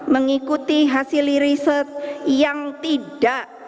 mengikuti hasil riset yang tidak